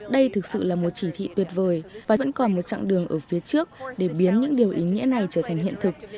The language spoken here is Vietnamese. đây thực sự là một chỉ thị tuyệt vời và vẫn còn một chặng đường ở phía trước để biến những điều ý nghĩa này trở thành hiện thực